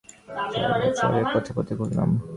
সারা রাত শহরের পথে-পথে ঘূরলাম।